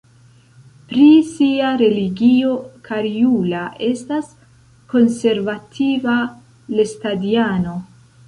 Pri sia religio Karjula estas konservativa lestadiano.